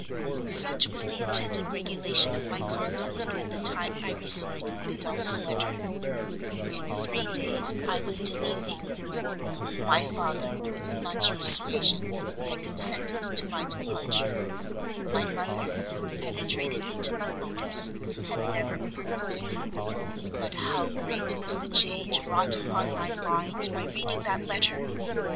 Such was the intended regulation of my conduct at the time I received Biddulph's letter; in three days I was to leave England; my father, with much persuasion, had consented to my departure; my mother, who penetrated into my motives, had never opposed it; but how great was the change wrought upon my mind by reading that letter!